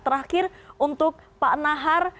terakhir untuk pak nahar